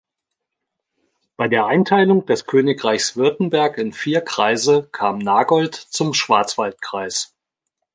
Bei der Einteilung des Königreichs Württemberg in vier Kreise kam Nagold zum Schwarzwaldkreis.